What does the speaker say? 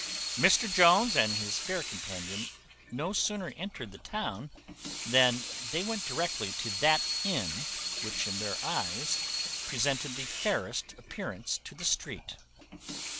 Mr Jones and his fair companion no sooner entered the town, than they went directly to that inn which in their eyes presented the fairest appearance to the street.